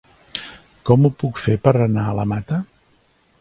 Com ho puc fer per anar a la Mata?